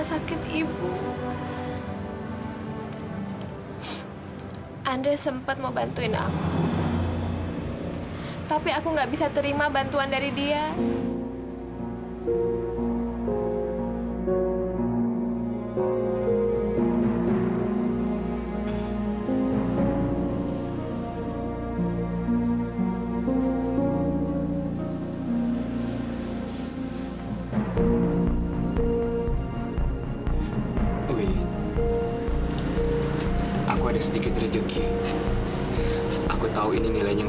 sampai jumpa di video selanjutnya